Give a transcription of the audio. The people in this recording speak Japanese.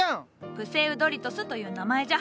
プセウドリトスという名前じゃ。